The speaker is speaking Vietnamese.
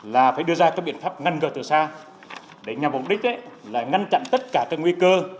là phải đưa ra các biện pháp ngăn ngừa từ xa để nhằm mục đích là ngăn chặn tất cả các nguy cơ